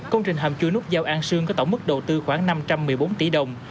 công trình hầm chui nút giao an sương có tổng mức đầu tư khoảng năm trăm một mươi bốn tỷ đồng